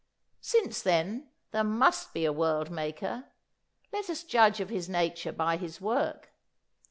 Since, then, there must be a world Maker, let us judge of His nature by His work.